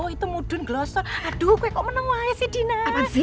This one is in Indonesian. itu mudun gelosan aduh kowe kok menemui si dina